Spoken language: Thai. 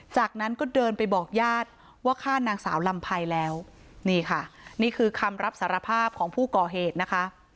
จากนั้นก็เดินไปบอกญาติว่าฆ่านางสาวลำไพรแล้วนี่ค่ะนี่คือคำรับสารภาพของผู้ก่อเหตุนะคะ